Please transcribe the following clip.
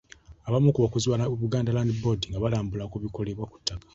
Abamu ku bakozi ba Buganda Land Board nga balambula ebikolebwa ku ttaka.